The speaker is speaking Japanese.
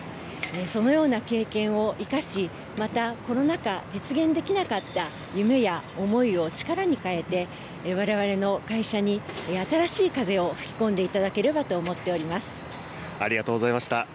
そのような経験を生かし、また、コロナ禍、実現できなかった夢や思いを力に変えて、われわれの会社に新しい風を吹き込んでいただければと思っておりありがとうございました。